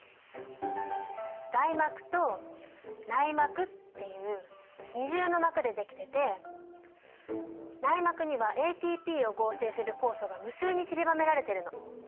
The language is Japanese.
外膜と内膜っていう二重の膜でできてて内膜にはＡＴＰを合成する酵素が無数にちりばめられてるの。